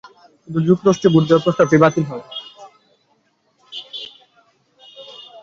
শুধু যুক্তরাষ্ট্র ভেটো দেওয়ায় প্রস্তাবটি বাতিল হয়।